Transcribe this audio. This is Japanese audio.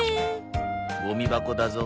ゴミ箱だぞ。